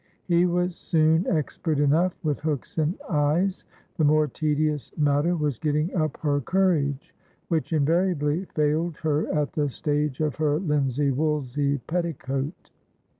He was soon expert enough with hooks and eyes, the more tedious matter was getting up her courage, which invariably failed her at the stage of her linsey woolsey petticoat.